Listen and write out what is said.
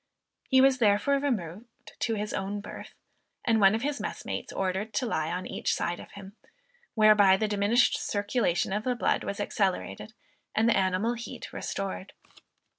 He was, therefore, removed to his own birth, and one of his messmates ordered to lie on each side of him, whereby the diminished circulation of the blood was accelerated, and the animal heat restored.